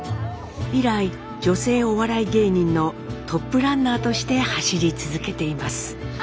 以来女性お笑い芸人のトップランナーとして走り続けています。